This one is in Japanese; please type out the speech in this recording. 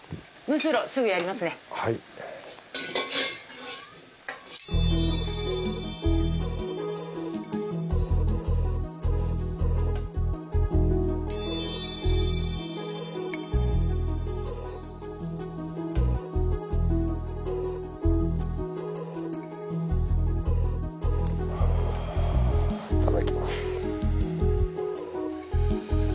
いただきます。